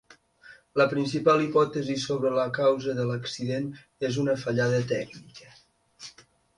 La principal hipòtesi sobre la causa de l’accident és una fallada tècnica.